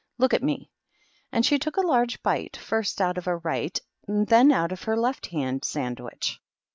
Look at me." And she took a large bite first out of her right and then out of her left hand sandwich.